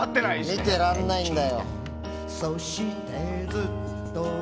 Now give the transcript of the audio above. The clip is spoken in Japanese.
見てらんないんだよ。